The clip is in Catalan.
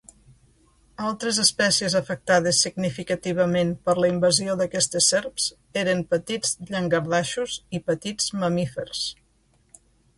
Altres espècies afectades significativament per la invasió d'aquestes serps eren petits llangardaixos i petits mamífers.